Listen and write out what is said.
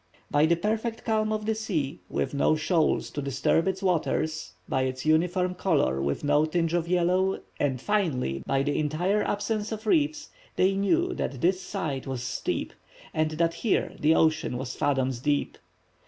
By the perfect calm of the sea, with no shoals to disturb its waters, by its uniform color, with no tinge of yellow, and, finally, by the entire absence of reefs, they knew that this side was steep, and that here the ocean was fathoms deep.